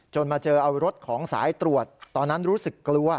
มาเจอเอารถของสายตรวจตอนนั้นรู้สึกกลัว